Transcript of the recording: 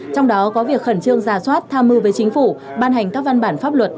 trong đó có việc khẩn trương giả soát tham mưu với chính phủ ban hành các văn bản pháp luật